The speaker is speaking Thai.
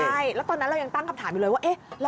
ใช่แล้วตอนนั้นเรายังตั้งคำถามอยู่เลยว่า